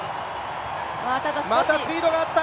またスピードが上がった。